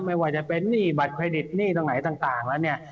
ไม่ว่าจะเป็นหนี้บัตรเครดิตหนี้ต่างแล้ว